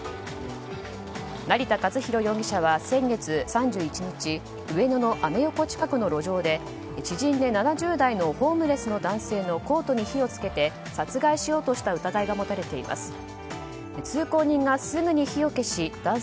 成田和弘容疑者は先月３１日上野のアメ横近くの路上で知人で７０代のホームレスの男性のコートに火を付けて殺害しようとした疑いが持たれています。